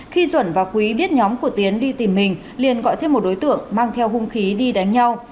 khi duẩn và quý biết nhóm của tiến đi tìm mình liền gọi thêm một đối tượng mang theo hung khí đi đánh nhau